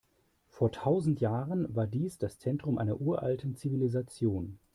Vor tausend Jahren war dies das Zentrum einer uralten Zivilisation.